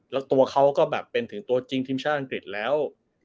แล้วตัวเขาก็แบบเป็นถึงตัวจริงทีมชาติอังกฤษแล้ว